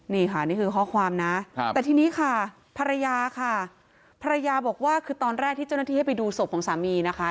นี่ค่ะนี่คือข้อความนะแต่ทีนี้ค่ะภรรยาค่ะภรรยาบอกว่าคือตอนแรกที่เจ้าหน้าที่ให้ไปดูศพของสามีนะคะ